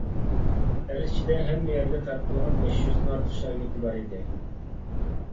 ئەل ئىچىدە ھەممە يەرگە تارقالغان بەش يۈزدىن ئارتۇق شاگىرتى بار ئىدى.